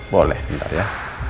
boleh nanti ya